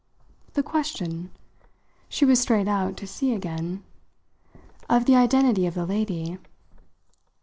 "The question?" She was straight out to sea again. "Of the identity of the lady."